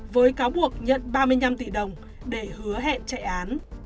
với cáo buộc nhận ba mươi năm tỷ đồng để hứa hẹn chạy án